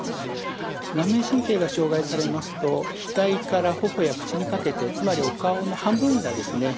顔面神経が傷害されますと額から頬や口にかけてつまりお顔の半分がですね